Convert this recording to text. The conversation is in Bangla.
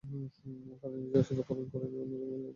তারা নিজেরা শুধু পলায়নই করেনি অন্যদের মাঝেও আতঙ্ক ছড়িয়ে দেয়।